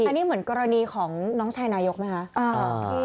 อันนี้เหมือนกรณีของน้องชายนายกไหมคะ